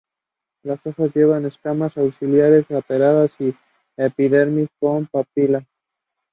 Half of these houses will already be built before the opening of the event.